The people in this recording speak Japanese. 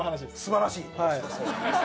素晴らしい？